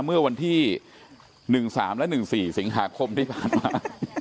เมื่อวันที่๑๓และ๑๔สิงหาคมที่ผ่านมา